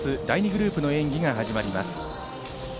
第２グループの演技が始まります。